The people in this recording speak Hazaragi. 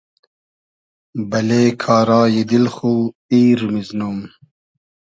بئلې کارای دیل خو ایر میزنوم